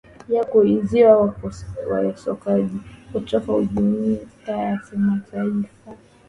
ya kuizima ukosoaji kutoka jumuiya ya kimataifa